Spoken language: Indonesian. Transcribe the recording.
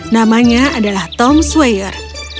namanya adalah tom sweyer